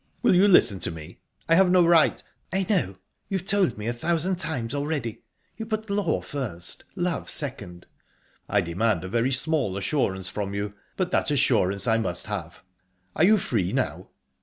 "Will you listen to me?...I have no right..." "I know. You've told me a thousand times already...You put law first, love second." "I demand a very small assurance from you, but that assurance I must have. Are you free now?"